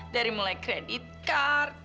dari mulai kredit kart